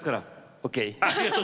ＯＫ！